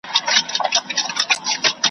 د ده نه ورپام کېدی نه یې په کار وو ,